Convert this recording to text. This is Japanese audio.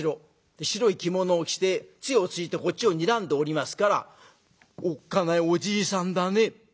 白い着物を着て杖をついてこっちをにらんでおりますから「おっかないおじいさんだね。